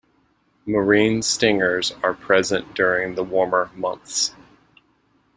Marine stingers are present during the warmer months.